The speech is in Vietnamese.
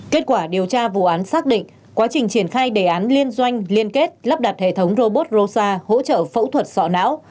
kết quả điều tra vụ án xác định quá trình triển khai đề án liên doanh liên kết lắp đặt hệ thống robot rosa hỗ trợ phẫu thuật sọ não